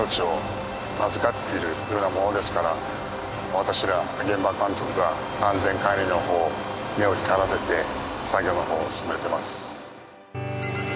私ら現場監督が安全管理の方目を光らせて作業の方を進めてます。